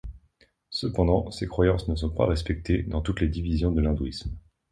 Cependant, ces croyances ne sont pas respectées dans toutes les divisions de l'hindouisme.